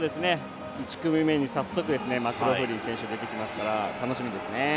１組目に早速、マクローフリン選手出てくるから楽しみですね。